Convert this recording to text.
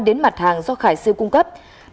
đến mặt hàng do khải siêu cung cấp